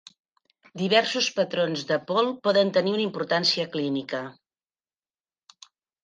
Diversos patrons de pol poden tenir una importància clínica.